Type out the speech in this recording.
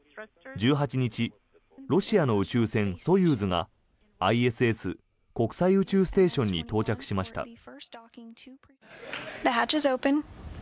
１８日ロシアの宇宙船ソユーズがＩＳＳ・国際宇宙ステーションに到着しました。